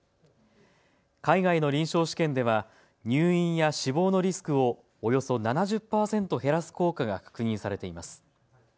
海外の臨床試験では入院や死亡のリスクをおよそ７０％減らす効果が確認されています。